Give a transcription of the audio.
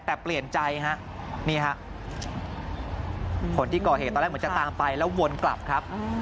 แต่เปลี่ยนใจฮะนี่ฮะคนที่ก่อเหตุตอนแรกเหมือนจะตามไปแล้ววนกลับครับ